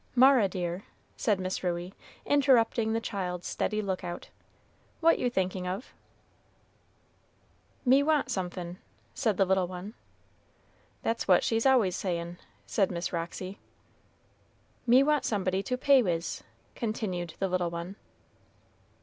"Mara, dear," said Miss Ruey, interrupting the child's steady lookout, "what you thinking of?" "Me want somefin'," said the little one. "That's what she's always sayin'," said Miss Roxy. "Me want somebody to pay wis'," continued the little one.